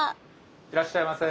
いらっしゃいませ。